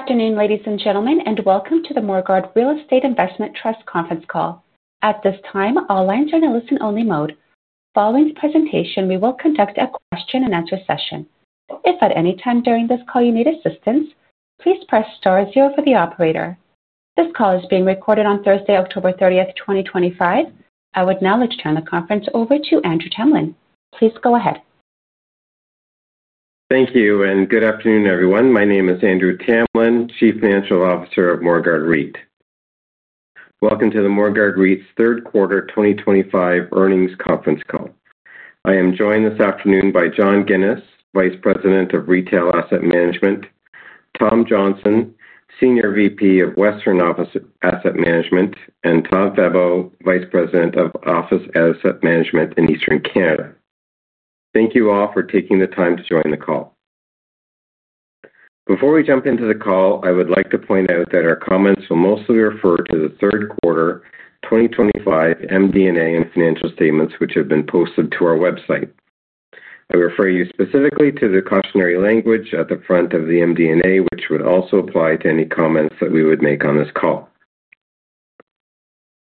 Good afternoon, ladies and gentlemen, and welcome to the Morguard Real Estate Investment Trust conference call. At this time, all lines are in a listen-only mode. Following the presentation, we will conduct a question-and-answer session. If at any time during this call you need assistance, please press star zero for the operator. This call is being recorded on Thursday, October 30th, 2025. I would now like to turn the conference over to Andrew Tamlin. Please go ahead. Thank you, and good afternoon, everyone. My name is Andrew Tamlin, Chief Financial Officer of Morguard REIT. Welcome to Morguard REIT's Third Quarter 2025 Earnings Conference Call. I am joined this afternoon by John Ginis, Vice President of Retail Asset Management, Tom Johnston, Senior Vice President of Western Office Asset Management, and Todd Febbo, Vice President of Office Asset Management in Eastern Canada. Thank you all for taking the time to join the call. Before we jump into the call, I would like to point out that our comments will mostly refer to the Third Quarter 2025 MD&A and financial statements which have been posted to our website. I refer you specifically to the cautionary language at the front of the MD&A, which would also apply to any comments that we would make on this call.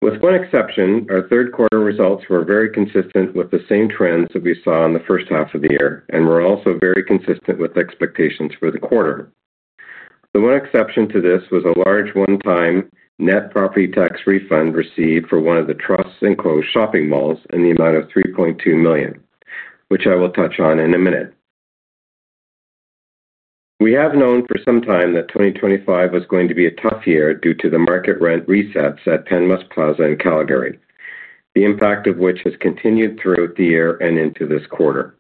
With one exception, our Third Quarter results were very consistent with the same trends that we saw in the first half of the year, and were also very consistent with expectations for the quarter. The one exception to this was a large one-time net property tax refund received for one of the trust's enclosed shopping malls in the amount of $3.2 million, which I will touch on in a minute. We have known for some time that 2025 was going to be a tough year due to the market rent resets at Penn West Plaza in Calgary, the impact of which has continued throughout the year and into this quarter.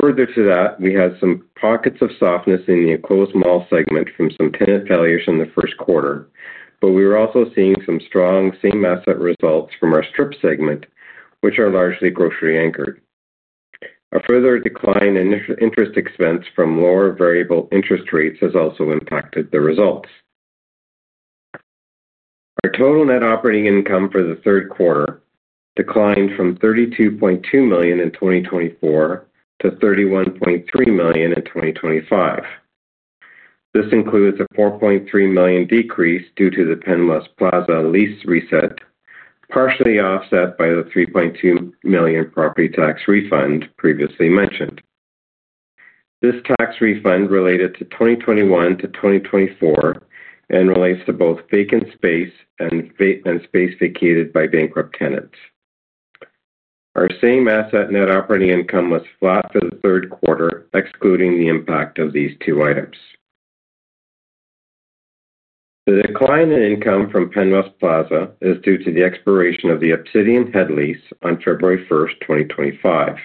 Further to that, we had some pockets of softness in the Enclosed Mall segment from some tenant failures in the first quarter, but we were also seeing some strong same-asset results from our Strip segment, which are largely grocery anchored. A further decline in interest expense from lower variable interest rates has also impacted the results. Our total net operating income for the Third Quarter declined from $32.2 million in 2024 to $31.3 million in 2025. This includes a $4.3 million decrease due to the Penn West Plaza lease reset, partially offset by the $3.2 million property tax refund previously mentioned. This tax refund related to 2021-2024 and relates to both vacant space and space vacated by bankrupt tenants. Our same-asset net operating income was flat for the Third Quarter, excluding the impact of these two items. The decline in income from Penn West Plaza is due to the expiration of the Obsidian heavy lease on February 1st, 2025.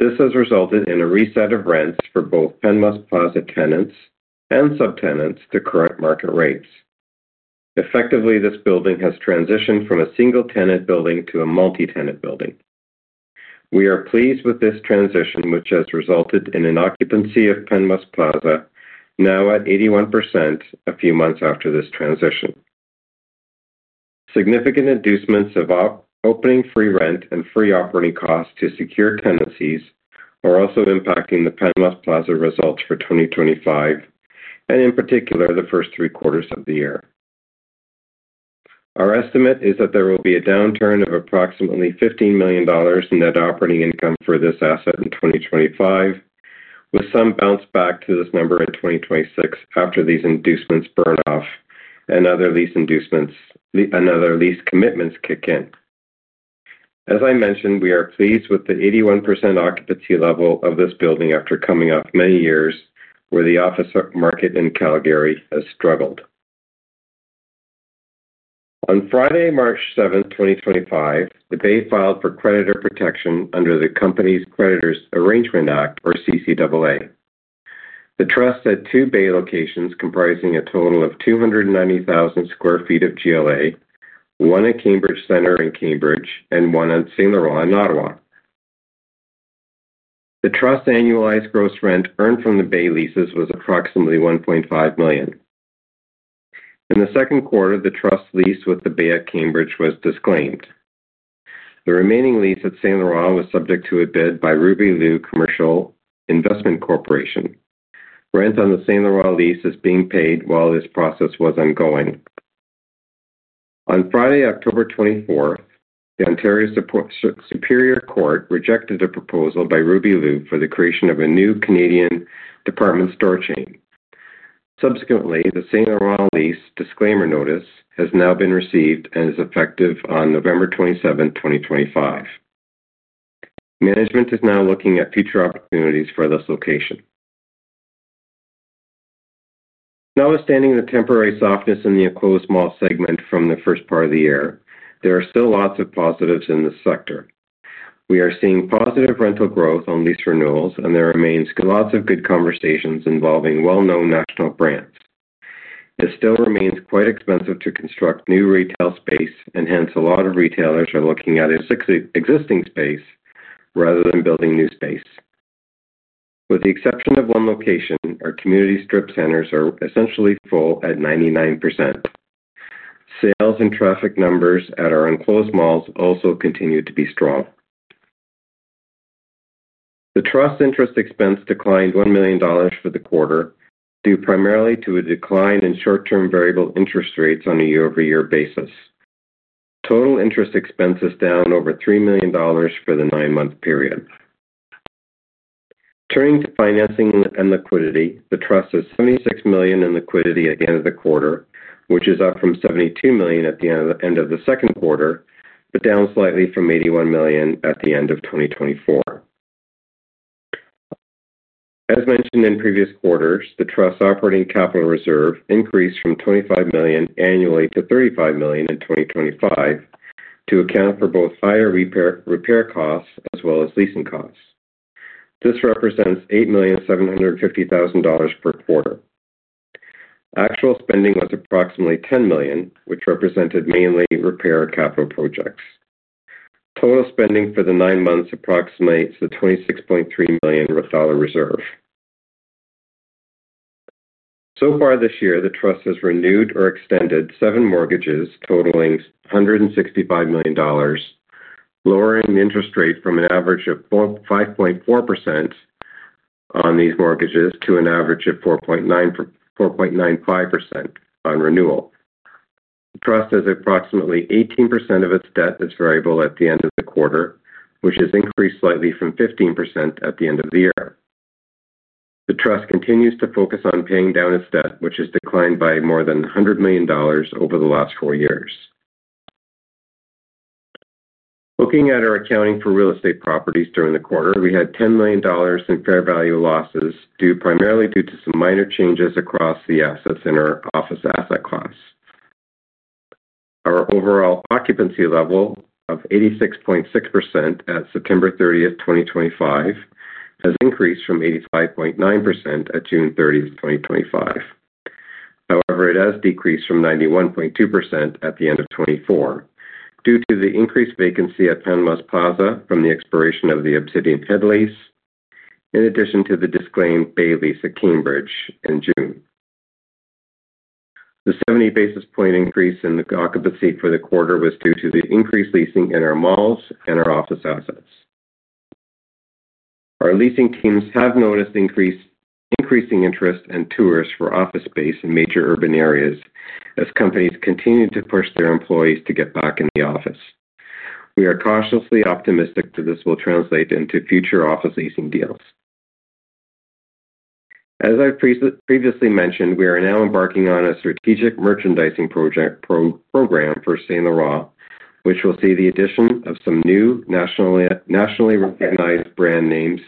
This has resulted in a reset of rents for both Penn West Plaza tenants and subtenants to current market rates. Effectively, this building has transitioned from a single-tenant building to a multi-tenant building. We are pleased with this transition, which has resulted in an occupancy of Penn West Plaza now at 81% a few months after this transition. Significant inducements of opening free rent and free operating costs to secure tenancies are also impacting the Penn West Plaza results for 2025, in particular, the first three quarters of the year. Our estimate is that there will be a downturn of approximately $15 million in net operating income for this asset in 2025, with some bounce back to this number in 2026 after these inducements burn off and other lease commitments kick in. As I mentioned, we are pleased with the 81% occupancy level of this building after coming off many years where the office market in Calgary has struggled. On Friday, March 7th, 2025, The Bay filed for creditor protection under the Companies' Creditors Arrangement Act, or CCAA. The trust had two Bay locations comprising a total of 290,000 sq ft of GLA, one at Cambridge Centre in Cambridge and one at St. Laurent in Ottawa. The Trust's annualized gross rent earned from The Bay leases was approximately $1.5 million. In the second quarter, the Trust's lease with The Bay at Cambridge was disclaimed. The remaining lease at St. Laurent was subject to a bid by Ruby Liu Commercial Investment Corporation. Rent on the St. Laurent lease is being paid while this process was ongoing. On Friday, October 24th, the Ontario Superior Court rejected a proposal by Ruby Liu for the creation of a new Canadian department store chain. Subsequently, the St. Laurent lease disclaimer notice has now been received and is effective on November 27th, 2025. Management is now looking at future opportunities for this location. Notwithstanding the temporary softness in the Enclosed Mall segment from the first part of the year, there are still lots of positives in this sector. We are seeing positive rental growth on lease renewals, and there remain lots of good conversations involving well-known national brands. It still remains quite expensive to construct new retail space, and hence a lot of retailers are looking at existing space rather than building new space. With the exception of one location, our community strip centers are essentially full at 99%. Sales and traffic numbers at our Enclosed Malls also continue to be strong. The Trust's interest expense declined $1 million for the quarter due primarily to a decline in short-term variable interest rates on a year-over-year basis. Total interest expense is down over $3 million for the nine-month period. Turning to financing and liquidity, the trust has $76 million in liquidity at the end of the quarter, which is up from $72 million at the end of the second quarter, but down slightly from $81 million at the end of 2024. As mentioned in previous quarters, the Trust's operating capital reserve increased from $25 million annually to $35 million in 2025 to account for both fire repair costs as well as leasing costs. This represents $8.75 million per quarter. Actual spending was approximately $10 million, which represented mainly repair capital projects. Total spending for the nine months approximates the $26.3 million reserve. So far this year, the trust has renewed or extended seven mortgages totaling $165 million, lowering the interest rate from an average of 5.4% on these mortgages to an average of 4.95% on renewal. The Trust has approximately 18% of its debt as variable at the end of the quarter, which has increased slightly from 15% at the end of the year. The Trust continues to focus on paying down its debt, which has declined by more than $100 million over the last four years. Looking at our accounting for real estate properties during the quarter, we had $10 million in fair value losses primarily due to some minor changes across the assets in our office asset class. Our overall occupancy level of 86.6% at September 30th, 2025, has increased from 85.9% at June 30th, 2025. However, it has decreased from 91.2% at the end of 2024 due to the increased vacancy at Penn West Plaza from the expiration of the Obsidian heavy lease, in addition to the disclaimed Bay lease at Cambridge in June. The 70 basis point increase in the occupancy for the quarter was due to the increased leasing in our malls and our office assets. Our leasing teams have noticed increasing interest and tours for office space in major urban areas as companies continue to push their employees to get back in the office. We are cautiously optimistic that this will translate into future office leasing deals. As I've previously mentioned, we are now embarking on a strategic merchandising program for St. Laurent, which will see the addition of some new nationally recognized brand names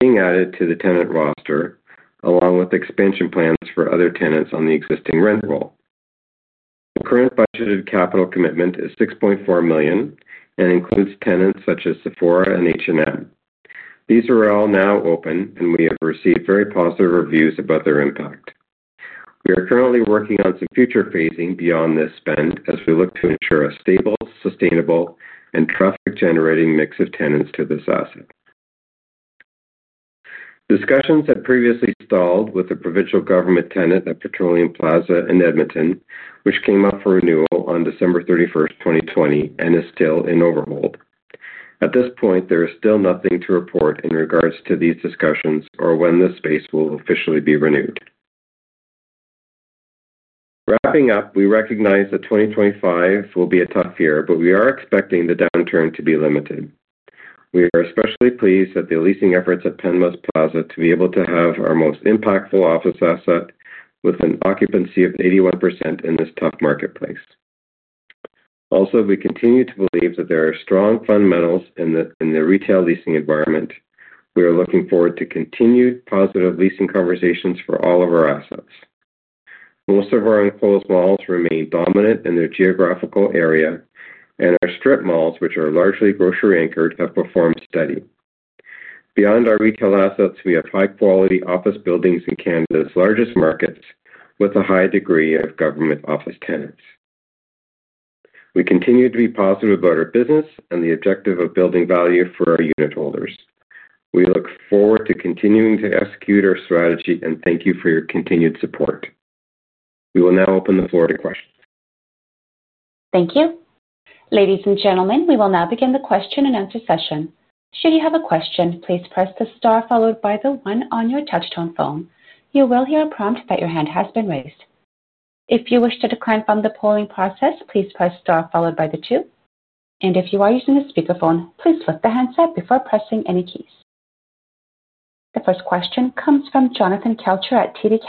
being added to the tenant roster, along with expansion plans for other tenants on the existing rent roll. The current budgeted capital commitment is $6.4 million and includes tenants such as Sephora and H&M. These are all now open, and we have received very positive reviews about their impact. We are currently working on some future phasing beyond this spend as we look to ensure a stable, sustainable, and traffic-generating mix of tenants to this asset. Discussions had previously stalled with the provincial government tenant at Petroleum Plaza in Edmonton, which came up for renewal on December 31st, 2020, and is still in overhaul. At this point, there is still nothing to report in regards to these discussions or when this space will officially be renewed. Wrapping up, we recognize that 2025 will be a tough year, but we are expecting the downturn to be limited. We are especially pleased at the leasing efforts at Penn West Plaza to be able to have our most impactful office asset with an occupancy of 81% in this tough marketplace. Also, we continue to believe that there are strong fundamentals in the retail leasing environment. We are looking forward to continued positive leasing conversations for all of our assets. Most of our Enclosed Malls remain dominant in their geographical area, and our Strip Malls, which are largely grocery anchored, have performed steady. Beyond our retail assets, we have high-quality office buildings in Canada's largest markets with a high degree of government office tenants. We continue to be positive about our business and the objective of building value for our unitholders. We look forward to continuing to execute our strategy, and thank you for your continued support. We will now open the floor to questions. Thank you. Ladies and gentlemen, we will now begin the question and answer session. Should you have a question, please press the star followed by the one on your touch-tone phone. You will hear a prompt that your hand has been raised. If you wish to decline from the polling process, please press star followed by the two. If you are using a speakerphone, please lift the handset before pressing any keys. The first question comes from Jonathan Kelcher at TD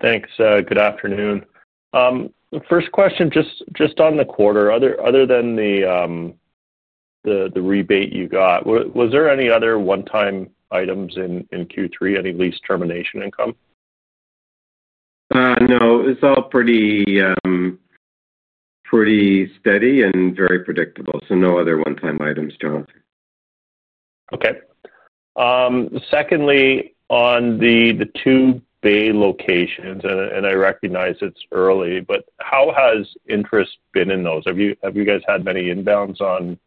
Cowen. Please go ahead. Thanks. Good afternoon. First question, just on the quarter, other than the rebate you got, was there any other one-time items in Q3, any lease termination income? No, it's all pretty steady and very predictable, so no other one-time items, Jonathan. Okay. Secondly, on the two Bay locations, and I recognize it's early, but how has interest been in those? Have you guys had many inbounds on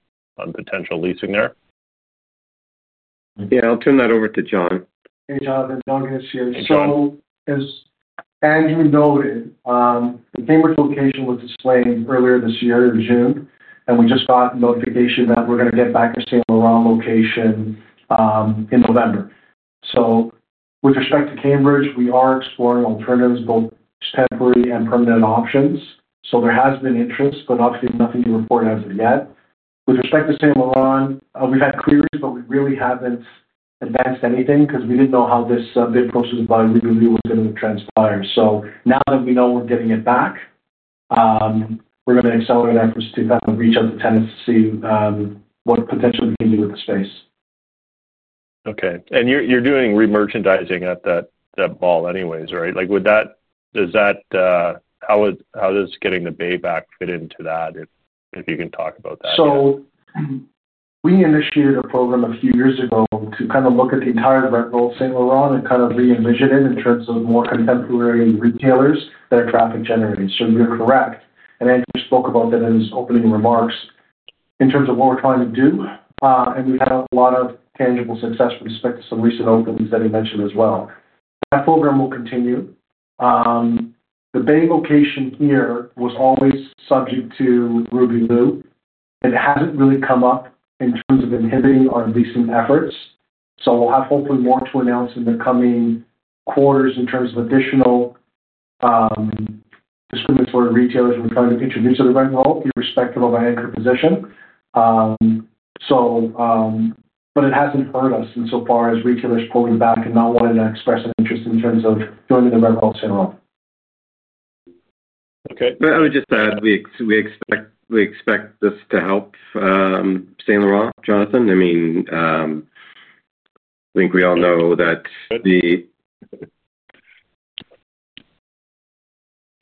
potential leasing there? Yeah, I'll turn that over to John. Hey, Jonathan. John is here. As Andrew noted, the Cambridge location was disclaimed earlier this year, in June, and we just got notification that we're going to get back the St. Laurent location in November. With respect to Cambridge, we are exploring alternatives, both temporary and permanent options. There has been interest, but obviously nothing to report as of yet. With respect to St. Laurent, we've had queries, but we really haven't advanced anything because we didn't know how this bid process by Ruby Liu was going to transpire. Now that we know we're getting it back, we're going to accelerate efforts to kind of reach out to tenants to see what potentially we can do with the space. Okay. You're doing re-merchandising at that mall anyways, right? How does getting The Bay back fit into that if you can talk about that? We initiated a program a few years ago to kind of look at the entire rental of St. Laurent and kind of re-envision it in terms of more contemporary retailers that are traffic-generating. You're correct. Andrew spoke about that in his opening remarks in terms of what we're trying to do. We've had a lot of tangible success with respect to some recent openings that he mentioned as well. That program will continue. The Bay location here was always subject to Ruby Liu. It hasn't really come up in terms of inhibiting our leasing efforts. We'll have hopefully more to announce in the coming quarters in terms of additional discriminatory retailers we're trying to introduce to the rental with respect to our anchor position. It hasn't hurt us insofar as retailers pulling back and not wanting to express an interest in terms of joining the rental of St. Laurent. Okay. I would just add we expect this to help St. Laurent, Jonathan. I think we all know that the—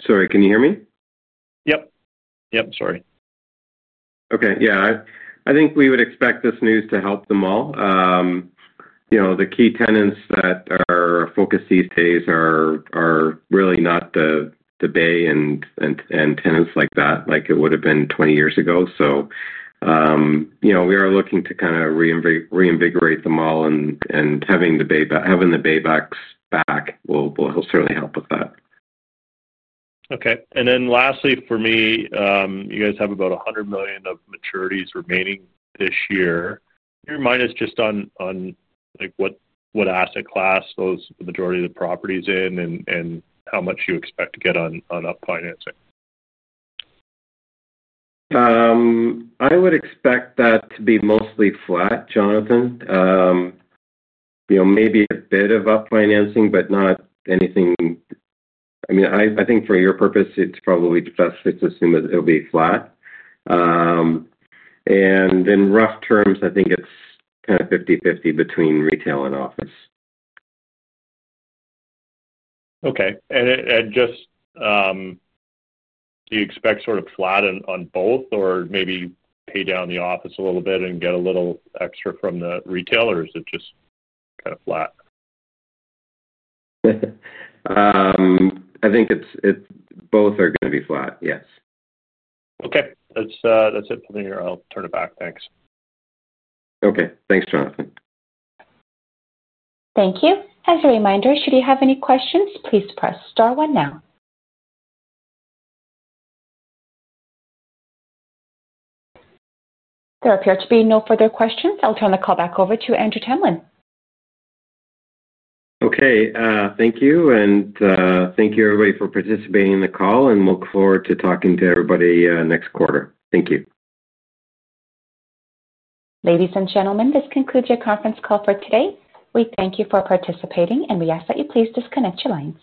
Sorry, can you hear me? Sorry. Okay. I think we would expect this news to help the Mall. The key tenants that are focused these days are really not The Bay and tenants like that, like it would have been 20 years ago. We are looking to kind of reinvigorate the Mall, and having The Bay back will certainly help with that. Okay. Lastly for me, you guys have about $100 million of maturities remaining this year. Do you mind just on what asset class the majority of the properties are in and how much you expect to get on up financing? I would expect that to be mostly flat, Jonathan. Maybe a bit of up financing, but not anything. I think for your purpose, it's probably best to assume that it'll be flat. In rough terms, I think it's kind of 50/50 between retail and office. Do you expect sort of flat on both or maybe pay down the office a little bit and get a little extra from the retail, or is it just kind of flat? I think both are going to be flat. Yes. Okay, that's it for me. I'll turn it back. Thanks. Okay. Thanks, Jonathan. Thank you. As a reminder, should you have any questions, please press star one now. There appear to be no further questions. I'll turn the call back over to Andrew Tamlin. Okay. Thank you. Thank you, everybody, for participating in the call, and look forward to talking to everybody next quarter. Thank you. Ladies and gentlemen, this concludes your conference call for today. We thank you for participating, and we ask that you please disconnect your lines.